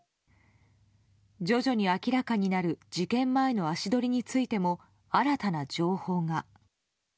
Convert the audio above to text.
徐々に明らかになる事件前の足取りについても新たな情報が。